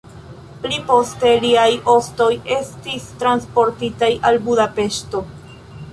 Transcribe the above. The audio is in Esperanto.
Pli poste liaj ostoj estis transportitaj al Budapeŝto.